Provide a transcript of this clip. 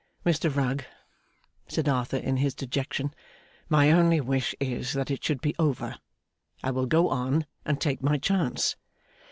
'Mr Rugg,' said Arthur, in his dejection, 'my only wish is, that it should be over. I will go on, and take my chance.